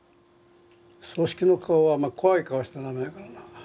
葬式の顔は怖い顔しちゃ駄目だからな。